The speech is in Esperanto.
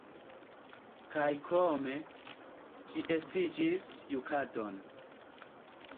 Kaj krome, ĝi estigis jukadon.